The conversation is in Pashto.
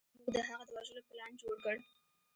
موږ د هغه د وژلو پلان جوړ کړ.